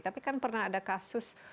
tapi kan pernah ada kasus